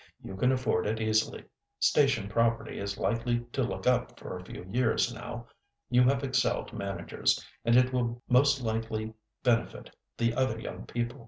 You can afford it easily. Station property is likely to look up for a few years now. You have excellent managers, and it will most likely benefit the other young people.